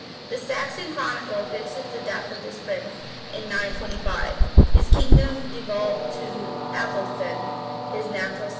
[] The Saxon Chronicle fixes the death of this prince in 925 his kingdom devolved to Athelstan, his natural son.